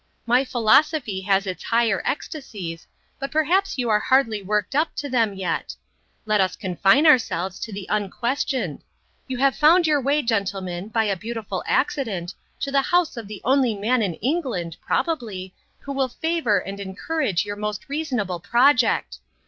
"My philosophy has its higher ecstasies, but perhaps you are hardly worked up to them yet. Let us confine ourselves to the unquestioned. You have found your way, gentlemen, by a beautiful accident, to the house of the only man in England (probably) who will favour and encourage your most reasonable project.